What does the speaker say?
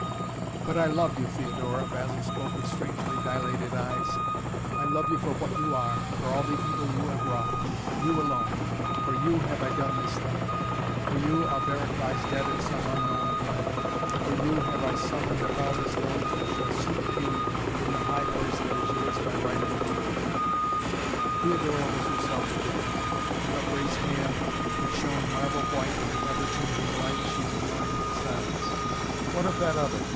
"But I love you, Theodora," Basil spoke with strangely dilated eyes. "I love you for what you are, for all the evil you have wrought! You, alone! For you have I done this thing! For you Alberic lies dead in some unknown glen. For you have I summoned about us those who shall seat you in the high place that is yours by right of birth." Theodora was herself again. With upraised hand, that shone marble white in the ever changing light, she enjoined silence. "What of that other?"